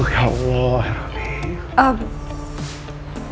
aduh ya allah herani